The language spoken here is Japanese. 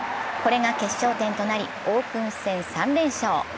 これが決勝点となりオープン戦３連勝。